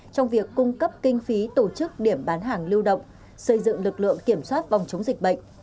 trong việc cung cấp kinh phí tổ chức điểm bán hàng lưu động xây dựng lực lượng kiểm soát phòng chống dịch bệnh